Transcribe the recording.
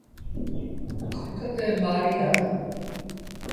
کٽ تي مهآري هڻ۔